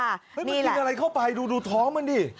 มันกินอะไรเข้าไปดูท้องมันดิ